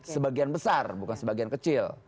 sebagian besar bukan sebagian kecil